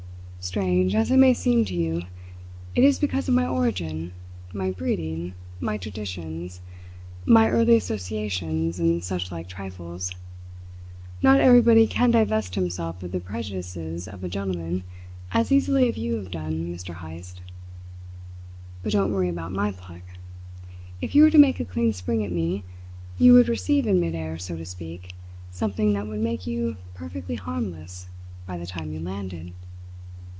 "Strange as it may seem to you, it is because of my origin, my breeding, my traditions, my early associations, and such like trifles. Not everybody can divest himself of the prejudices of a gentleman as easily as you have done, Mr. Heyst. But don't worry about my pluck. If you were to make a clean spring at me, you would receive in mid air, so to speak, something that would make you perfectly harmless by the time you landed.